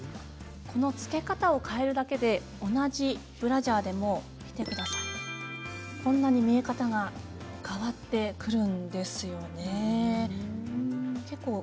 着け方を変えるだけで同じブラジャーでも見てください、こんなに見え方が変わってくるんですね。